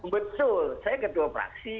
betul saya kedua praksi